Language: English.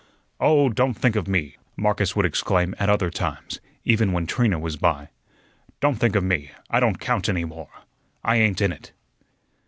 "Oh, don't think of me!" Marcus would exclaim at other times, even when Trina was by. "Don't think of me; I don't count any more. I ain't in it."